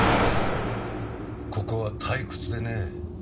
ここは退屈でね。